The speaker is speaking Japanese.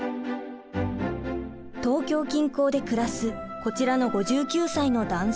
東京近郊で暮らすこちらの５９歳の男性。